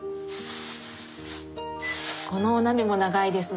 このお鍋も長いですね